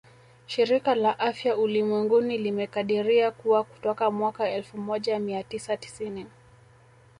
Shirika la Afya Ulimwenguni limekadiria kuwa kutoka mwaka elfu moja mia tisa tisini